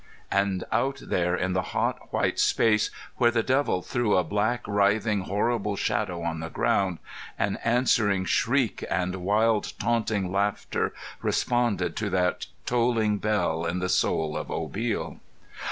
And out there in the hot, white space where the devil threw a black, writhing, horrible shadow on the ground, an answering shriek and wild, taunting laughter responded to that tolling bell in the soul of Obil.